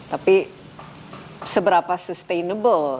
tapi seberapa sustainable